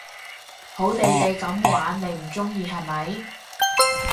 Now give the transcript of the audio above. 好地地噉玩你唔中意係咪？